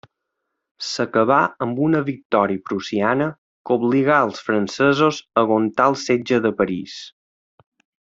S'acabà amb una victòria prussiana, que obligà als francesos a aguantar el setge de París.